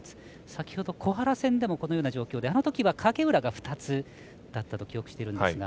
先ほど、小原戦でもこのような状況であのときは影浦が２つだったと記憶しているんですが。